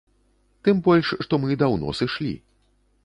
Тым больш што мы даўно сышлі.